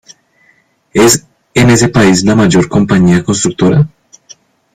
Es en ese país la mayor compañía constructora.